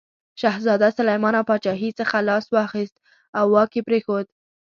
شهزاده سلیمان له پاچاهي څخه لاس واخیست او واک یې پرېښود.